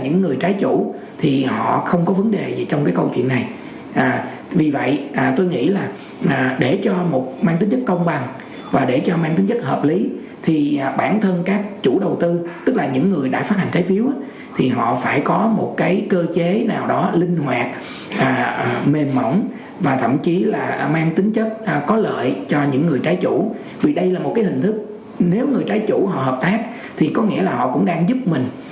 nếu người trái chủ họ hợp tác thì có nghĩa là họ cũng đang giúp mình